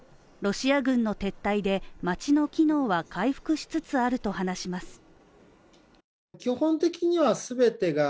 ロシア軍の撤退で、街の機能は回復しつつあると話します。